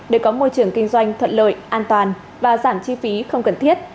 để có môi trường kinh doanh thuận lợi an toàn và giảm chi phí không cần thiết